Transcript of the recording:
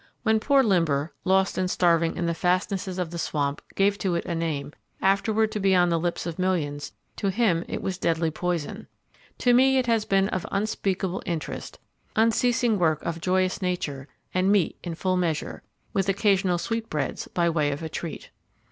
When poor Limber, lost and starving in the fastnesses of the swamp, gave to it a name, afterward to be on the lips of millions; to him it was deadly poison. To me it has been of unspeakable interest, unceasing work of joyous nature, and meat in full measure, with occasional sweetbreads by way of a treat.